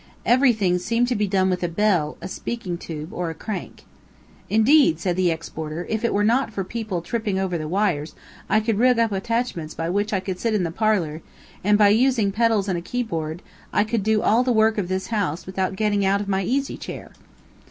Everything seemed to be done with a bell, a speaking tube or a crank. "Indeed," said the ex boarder, "if it were not for people tripping over the wires, I could rig up attachments by which I could sit in the parlor, and by using pedals and a key board, I could do all the work of this house without getting out of my easy chair."